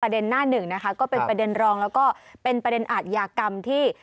หน้าหนึ่งนะคะก็เป็นประเด็นรองแล้วก็เป็นประเด็นอาทยากรรมที่